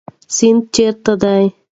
سند چیرته دی؟